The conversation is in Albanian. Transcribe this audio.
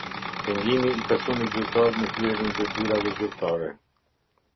Pengimi i personit zyrtar në kryerjen e detyrave zyrtare.